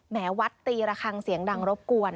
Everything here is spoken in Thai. วัดตีระคังเสียงดังรบกวน